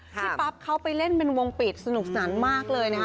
พี่ปั๊บเขาไปเล่นเป็นวงปิดสนุกสนานมากเลยนะคะ